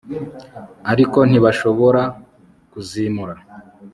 ariko ntibashobora kuzimura